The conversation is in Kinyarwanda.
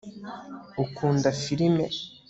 ukunda firime